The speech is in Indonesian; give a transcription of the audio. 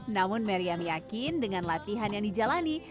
namun meriam yakin dengan latihan yang dijalani